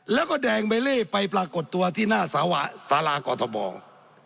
แล้วก็แดงใบเล่ไปปรากฏตัวที่หน้าสารากรทบ